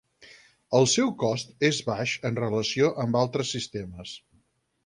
El seu cost és baix en relació amb altres sistemes.